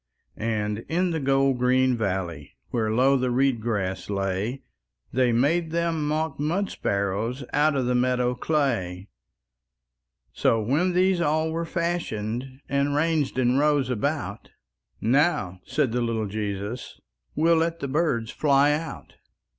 And in the gold green valley, Where low the reed grass lay, They made them mock mud sparrows Out of the meadow clay. So, when these all were fashioned, And ranged in rows about, "Now," said the little Jesus, "We'll let the birds fly out."